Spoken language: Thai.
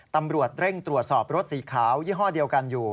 ตำรวจเร่งตรวจสอบรถสีขาวยี่ห้อเดียวกันอยู่